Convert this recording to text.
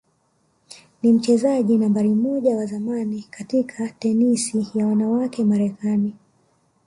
ni mchezaji nambari moja wa zamani katika tenisi ya wanawake Marekani